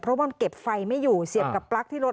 เพราะมันเก็บไฟไม่อยู่เสียบกับปลั๊กที่รถ